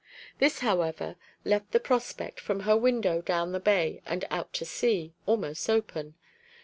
This, however, left the prospect, from her window down the bay and out to sea, almost open.